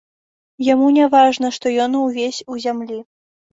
Яму не важна, што ён увесь у зямлі.